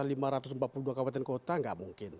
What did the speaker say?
lima ratus empat puluh dua kabupaten kota nggak mungkin